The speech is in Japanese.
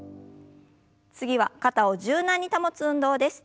次は肩を柔軟に保つ運動です。